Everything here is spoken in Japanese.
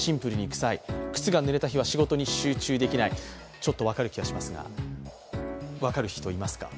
ちょっと分かる気がしますが、分かる人、いますか？